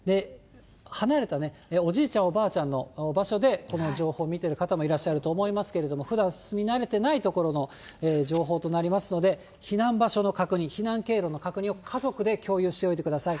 離れたおじいちゃん、おばあちゃんの場所でこの情報を見てる方もいらっしゃると思いますけれども、ふだん住み慣れてない所の情報となりますので、避難場所の確認、避難経路の確認を、家族で共有しておいてください。